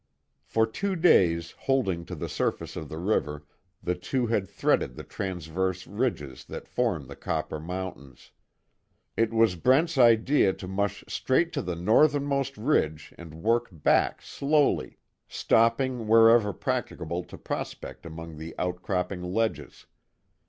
For two days, holding to the surface of the river, the two had threaded the transverse ridges that form the Copper Mountains. It was Brent's idea to mush straight to the northernmost ridge and work back slowly, stopping wherever practicable to prospect among the outcropping ledges.